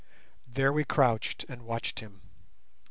There we crouched and watched him.